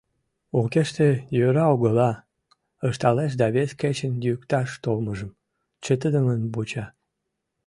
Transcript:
«Укеште йӧра огыла», — ышталеш да вес качын йӱкташ толмыжым чытыдымын вуча...